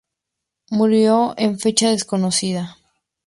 Murió en fecha desconocida.